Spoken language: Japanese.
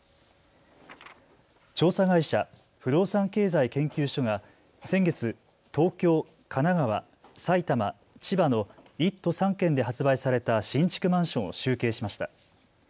調査会社、不動産経済研究所が先月、東京、神奈川、埼玉、千葉の１都３県で発売された新築マンションを集計しました。